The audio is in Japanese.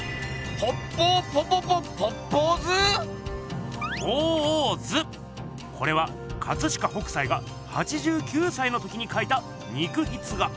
ポッポーポポポポッポー図？鳳凰図！これは飾北斎が８９さいの時にかいた肉筆画。